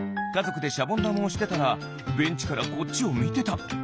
かぞくでシャボンだまをしてたらベンチからこっちをみてた。